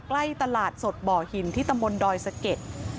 ใกล้ตลาดสดบ่อหินที่ตำบลดอยสะเก็ด